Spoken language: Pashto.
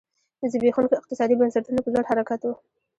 د زبېښونکو اقتصادي بنسټونو په لور حرکت و.